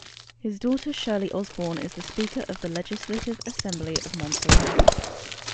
His daughter Shirley Osborne is the Speaker of the Legislative Assembly of Montserrat.